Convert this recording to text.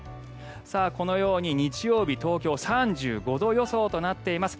このように日曜日東京３５度予想となっています。